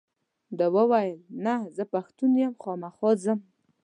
ده وویل نه زه پښتون یم خامخا ځم.